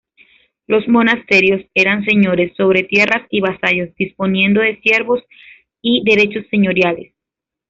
Los monasterios eran señores sobre tierras y vasallos, disponiendo de siervos y derechos señoriales.